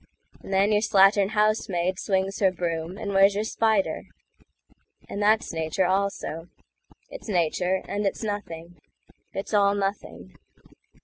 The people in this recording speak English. And then your slattern housemaid swings her broom, And where's your spider? And that's Nature, also.It's Nature, and it's Nothing. It's all Nothing.